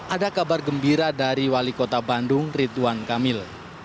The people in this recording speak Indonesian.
ada kabar gembira dari wali kota bandung ridwan kamil